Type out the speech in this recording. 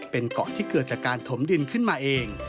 เป็นเกาะที่เกิดจากการถมดินขึ้นมาเอง